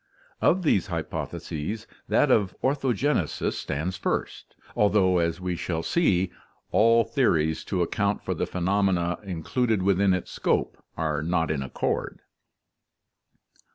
Of these hypotheses that of orthogenesis stands first, although, as we shall see, all theories to account for the phenomena included within its scope are not in accord.